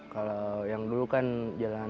kalau yang dulu kan jalan